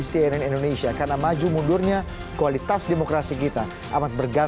terima kasih pak wimar terima kasih pak pak gara